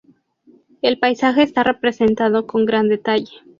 El paisaje está representado con gran detalle.